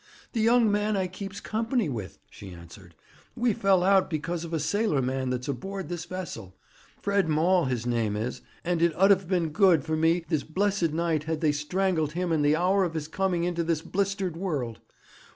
'The young man I keeps company with,' she answered. 'We fell out because of a sailor man that's aboard this vessel. Fred Maul his name is, and it 'ud have been good for me this blessed night had they strangled him in the hour of his coming into this blistered world.